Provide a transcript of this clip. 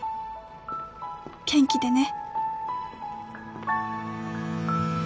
「元気でね」